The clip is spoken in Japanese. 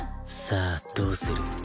さあどうする？